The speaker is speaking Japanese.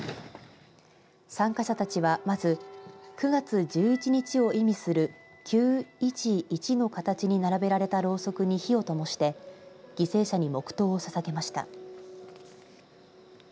参加者たちはまず９月１１日を意味する９、１、１の形に並べられたろうそくに火をともして犠牲者に黙とうをささげました。